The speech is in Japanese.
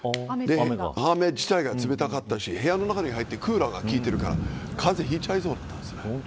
雨自体が冷たくて、部屋の中ではクーラーが効いてるから風邪ひいちゃいそうだったんです。